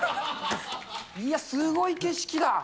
いや、すごい景色だ。